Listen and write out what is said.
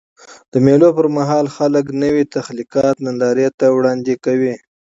د مېلو پر مهال خلک خپل نوي تخلیقات نندارې ته وړاندي کوي.